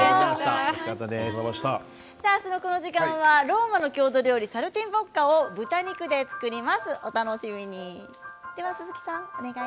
明日のこの時間はローマの郷土料理サルティンボッカを豚肉で作ります、お楽しみに。